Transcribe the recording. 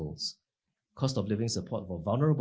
keuangan pendidikan untuk rumah yang berbahaya